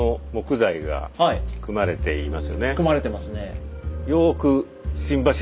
組まれてますね。